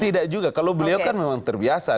tidak juga kalau beliau kan memang terbiasa